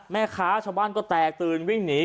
แม่ค้าชาวบ้านก็แตกตื่นวิ่งหนี